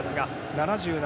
７７